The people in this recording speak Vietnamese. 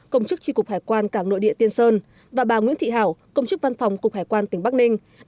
công chức tri cục hải quan cảng nội địa tiên sơn và bà nguyễn thị hảo công chức văn phòng cục hải quan tỉnh bắc ninh